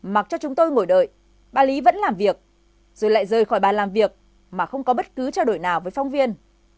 mặc cho chúng tôi ngồi đợi bà lý vẫn làm việc rồi lại rời khỏi bà làm việc mà không có bất cứ trao đổi nào với phóng viên